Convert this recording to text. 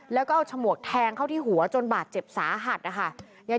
แล้วก็เอาฉมวกแทงเข้าที่หัวจนบาดเจ็บสาหัสนะคะ